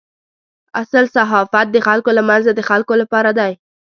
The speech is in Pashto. اصل صحافت د خلکو له منځه د خلکو لپاره دی.